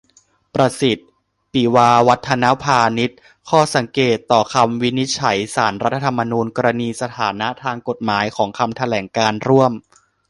ประสิทธิ์ ปิวาวัฒนพานิช : ข้อสังเกตต่อคำวินิจฉัยศาลรัฐธรรมนูญ กรณีสถานะทางกฎหมายของคำแถลงการณ์ร่วม